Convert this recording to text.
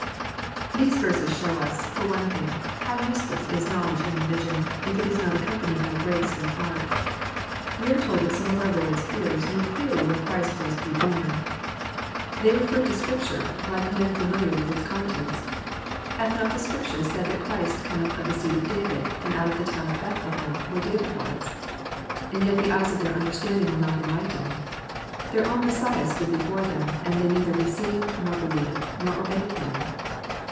These verses show us, for one thing, how useless is knowU edge in religion^if it is not accompanied by grace in the heart. We are told that some of our Lord's hearers knew clearly where Christ was to be bora. They referred to Scripture, JOHN, CHAP. vn. 51 like men familiar with its contents. *^Hath not the Scrip ture said that Christ cometh of the seed of David, and out of the town of Bethlehem, where David was?" And yet the eyes of their understanding were not enlightened. Their own Alessiah stood before them, and they neither received, i^or believed, nor obeyed Him.